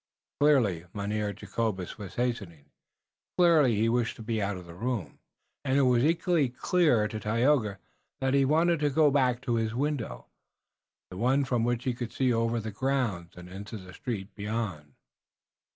Clearly Mynheer Jacobus was hastening, clearly he wished to be out of the room, and it was equally clear to Tayoga that he wanted to go back to his window, the one from which he could see over the grounds, and into the street beyond.